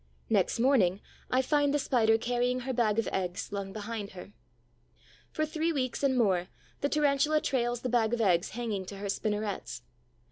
Next morning I find the Spider carrying her bag of eggs slung behind her. For three weeks and more the Tarantula trails the bag of eggs hanging to her spinnerets.